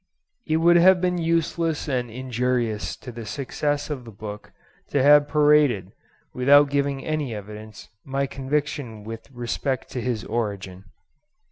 It would have been useless and injurious to the success of the book to have paraded, without giving any evidence, my conviction with respect to his origin.